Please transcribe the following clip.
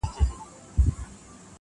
په زندان کی یې قسمت سو ور معلوم سو -